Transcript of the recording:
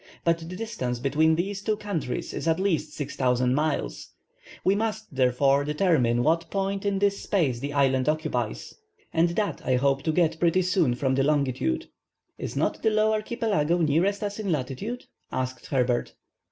But the distance between these two countries is at least 6,000 miles. We must therefore determine what point in this space the island occupies, and that I hope to get pretty soon from the longitude. "Is not the Low Archipelago nearest us in latitude," asked Herbert.